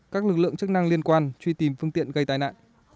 các lực lượng chức năng liên quan truy tìm phương tiện gây tai nạn